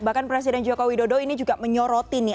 bahkan presiden joko widodo ini juga menyoroti nih